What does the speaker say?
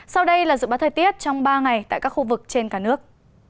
sau đây là dự báo thời tiết trong ba ngày tại các khu vực trên cả nước